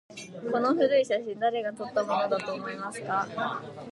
この古い写真、誰が撮ったものだと思いますか？